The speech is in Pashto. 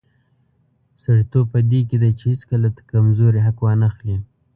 سړیتوب په دې کې دی چې هیڅکله د کمزوري حق وانخلي.